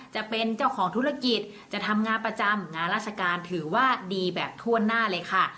จะเป็นเจ้าของธุรกิจจะทำงานประจำงานราชการถือว่าดีแบบทั่วหน้าเลยค่ะ